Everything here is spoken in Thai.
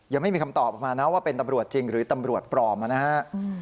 ยังไม่มีคำตอบออกมานะว่าเป็นตำรวจจริงหรือตำรวจปลอมนะครับ